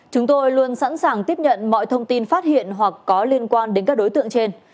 chúng tôi luôn sẵn sàng tiếp nhận mọi thông tin phát hiện hoặc có liên quan đến các đối tượng trên